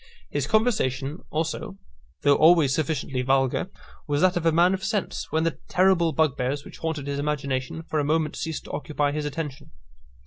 His conversation also, though always sufficiently vulgar, was that of a man of sense, when the terrible bugbears which haunted his imagination for a moment ceased to occupy his attention.